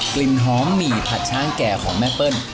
กลิ่นหอมหมี่ผัดช้างแก่ของแม่เปิ้ล